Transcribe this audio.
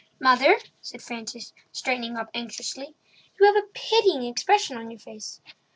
"Mother," said Frances, straightening up anxiously, "you have a pitying expression on your face.